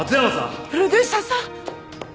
プロデューサーさん。